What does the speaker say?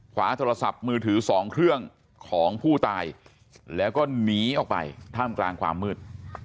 ขวาโทรศัพท์มือถือสองเครื่องของผู้ตายแล้วก็หนีออกไปท่ามกลางความมืด